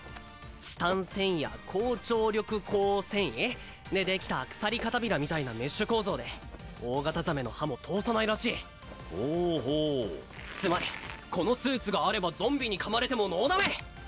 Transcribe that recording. チタン繊維や高張力鋼繊維で出来た鎖かたびらみたいなメッシュ構造で大型ザメの歯も通さないらしいほうほうつまりこのスーツがあればゾンビにかまれてもノーダメ！